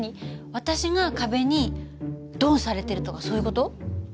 私が壁にドンされてるとかそういう事？